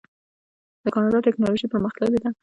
د کاناډا ټیکنالوژي پرمختللې ده.